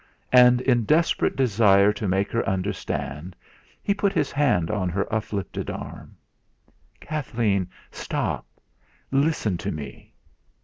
And in desperate desire to make her understand, he put his hand on her lifted arm. "Kathleen, stop listen to me!"